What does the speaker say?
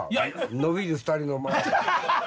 伸びる２人のお前。